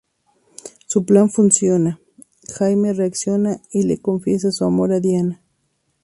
Su plan funciona, Jaime reacciona y le confiesa su amor a Diana.